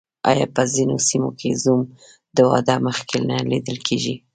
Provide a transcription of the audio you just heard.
آیا په ځینو سیمو کې زوم د واده مخکې نه لیدل کیږي؟